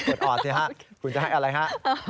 กดออดใช่ฮะคุณจะให้อะไรฮะ